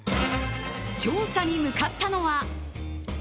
調査に向かったのは。